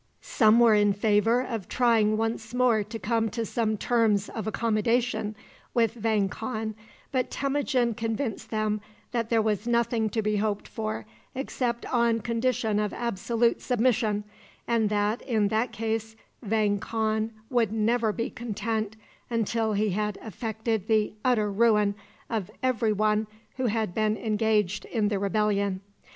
Some were in favor of trying once more to come to some terms of accommodation with Vang Khan, but Temujin convinced them that there was nothing to be hoped for except on condition of absolute submission, and that, in that case, Vang Khan would never be content until he had effected the utter ruin of every one who had been engaged in the rebellion.